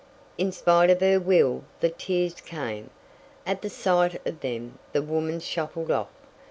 In spite of her will the tears came. At the sight of them the woman shuffled off.